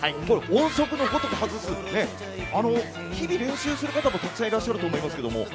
音速のごとく外す、日々練習する方もたくさんいらっしゃいますけど。